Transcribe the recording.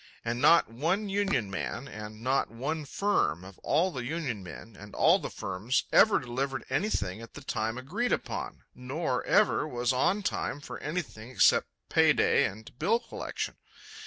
And not one union man and not one firm of all the union men and all the firms ever delivered anything at the time agreed upon, nor ever was on time for anything except pay day and bill collection.